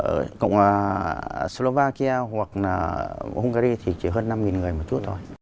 ở cộng hòa slovakia hoặc là hungary thì chỉ hơn năm người một chút thôi